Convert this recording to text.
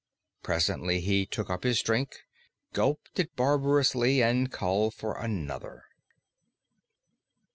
Presently he took up his drink, gulped it barbarously, and called for another.